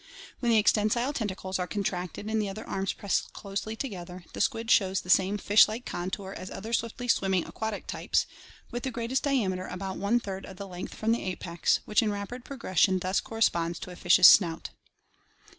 When the extensile tentacles are contracted and the other arms pressed closely to gether, the squid shows the same fish like contour as other swiftly swimming aquatic types, with the greatest diameter about one third of the length from the apex, which in rapid progression thus corresponds to a fish's snout.